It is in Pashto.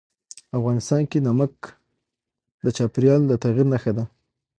افغانستان کې نمک د چاپېریال د تغیر نښه ده.